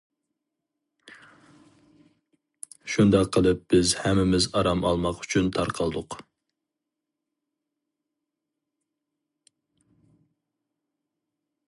شۇنداق قىلىپ بىز ھەممىمىز ئارام ئالماق ئۈچۈن تارقالدۇق.